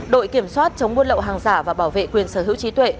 đội kiểm soát chống buôn lậu hàng giả và bảo vệ quyền sở hữu trí tuệ